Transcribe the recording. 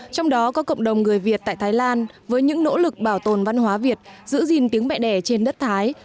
trong đó có cộng đồng người việt tại thái lan với những nỗ lực bảo tồn văn hóa việt giữ gìn tiếng mẹ đẻ trên đất thái